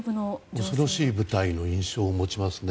恐ろしい部隊の印象を持ちますね。